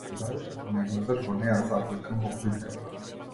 Се давиш ако не влезеш во неа, заплеткан во плитката.